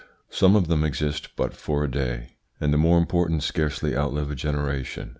Some of them exist but for a day, and the more important scarcely outlive a generation.